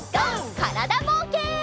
からだぼうけん。